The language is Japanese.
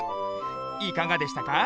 いかがでしたか？